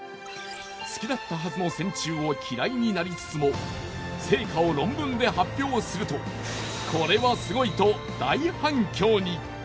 好きだったはずの線虫を嫌いになりつつも成果を論文で発表するとこれはすごいと大反響に。